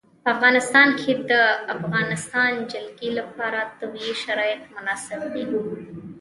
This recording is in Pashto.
په افغانستان کې د د افغانستان جلکو لپاره طبیعي شرایط مناسب دي.